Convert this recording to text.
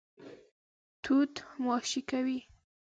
توت ماشې کوي.